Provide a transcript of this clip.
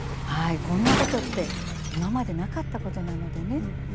こんなことって今までなかったことなのでね。